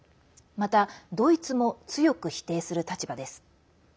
また、ドイツも強く否定する立場です。